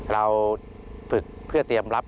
เราฝึกเพื่อเตรียมรับ